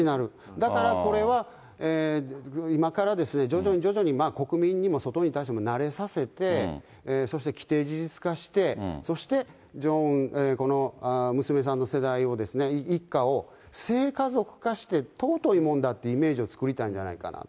だからこれは今から、徐々に徐々に国民にも外に対しても慣れさせて、そして既定事実化してそして、この娘さんの世代を、一家を聖家族化して尊いものだというイメージを作りたいんじゃないかなと。